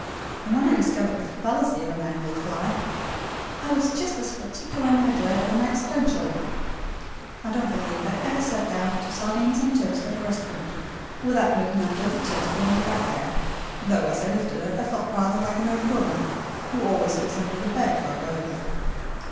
And when I discovered the fallacy of the annual fly, I was just as particular in my dread of an accidental one. I don't believe I ever sat down to sardines on toast at a restaurant without looking under the toast for my bugbear, though as I lifted it I felt rather like the old woman who always looks under the bed for a burglar.